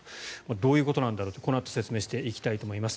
どういうことなんだろうとこのあと説明していきたいと思います。